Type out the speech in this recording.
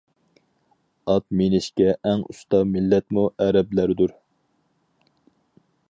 ئات مىنىشكە ئەڭ ئۇستا مىللەتمۇ ئەرەبلەردۇر.